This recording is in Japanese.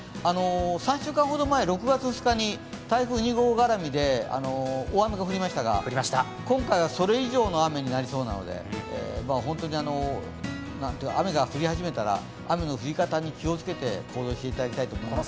３週間ほど６月２日に台風２号絡みで大雨が降りましたが、今回はそれ以上の雨になりそうなので本当に雨が降り始めたら雨の降り方に気をつけて行動していただきたいと思いますね。